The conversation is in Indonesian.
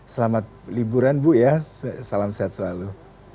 selamat liburan bu ya salam sehat selalu